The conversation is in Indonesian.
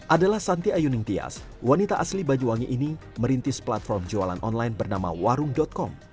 adalah santi ayuning tias wanita asli banyuwangi ini merintis platform jualan online bernama warung com